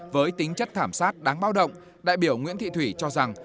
với tính chất thảm sát đáng bao động đại biểu nguyễn thị thủy cho rằng